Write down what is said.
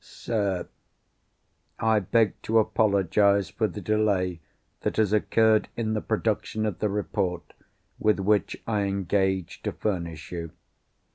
Sir,—I beg to apologise for the delay that has occurred in the production of the Report, with which I engaged to furnish you.